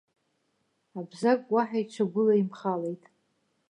Абзагә уаҳа иҽагәылаимхалеит.